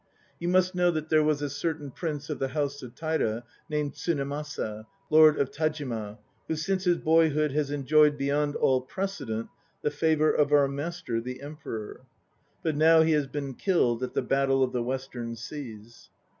You must know that there was a certain prince of the House of Taira named Tsunemasa, Lord of Tajima, who since his boyhood has enjoyed beyond all precedent the favour of our master the Emperor. But now he has been killed at the Battle of the Western Seas.